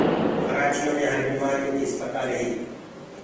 ڪرآچيو مي هر بيمآريو ڪيٚ آسپتآلينٚ هينٚ